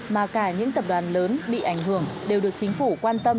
mà cả những tập đoàn lớn bị ảnh hưởng đều được chính phủ quan tâm